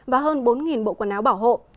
và hơn bốn bộ quần áo bảo hộ